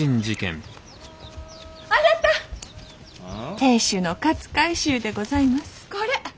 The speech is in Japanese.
亭主の勝海舟でございますこれ。